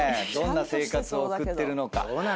どんな生活を送ってるのか。